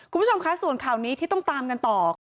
คุณผู้ชมคะส่วนข่าวนี้ที่ต้องตามกันต่อ